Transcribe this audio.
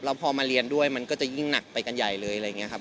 แล้วพอมาเรียนด้วยมันก็จะยิ่งหนักไปกันใหญ่เลยอะไรอย่างนี้ครับ